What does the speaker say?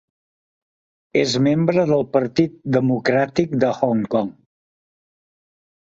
És membre del Partir Democràtic de Hong Kong.